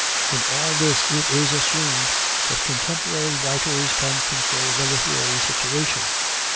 In all this it is assumed that contemporary writers can control the literary situation.